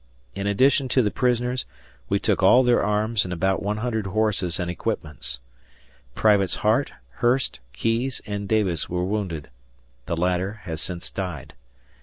In addition to the prisoners, we took all their arms and about 100 horses and equipments. Privates Hart, Hurst, Keyes, and Davis were wounded. The latter has since died.